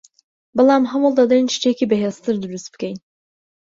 بەڵام هەوڵدەدەین شتێکی بەهێزتر دروست بکەین